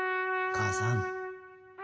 母さん。